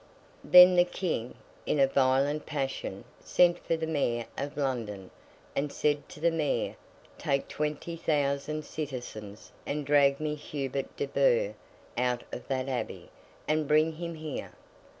Then the King, in a violent passion, sent for the Mayor of London, and said to the Mayor, 'Take twenty thousand citizens, and drag me Hubert de Burgh out of that abbey, and bring him here.